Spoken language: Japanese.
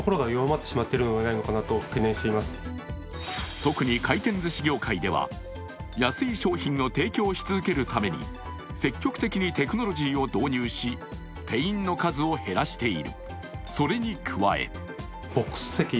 特に回転ずし業界では安い食材を導入し続けているために積極的にテクノロジーを導入し店員の数を減らしている。